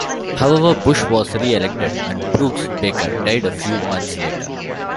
However, Bush was re-elected, and Brooks-Baker died a few months later.